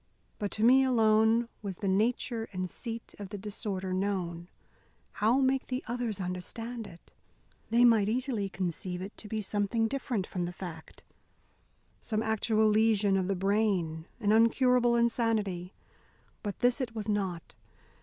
But to me alone was the nature and seat of the disorder known. How make the others understand it? They might easily conceive it to be something different from the fact, some actual lesion of the brain, an incurable insanity. But this it was not.